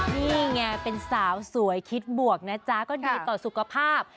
นี่ไงเป็นสาวสวยคิดบวกนะจ๊ะก็ดีต่อสุขภาพ